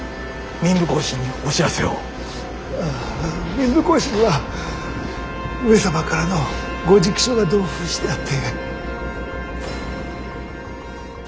民部公子には上様からのご直書が同封してあって。